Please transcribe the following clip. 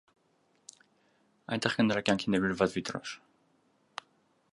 Այնտեղ կա նրա կյանքին նվիրված վիտրաժ։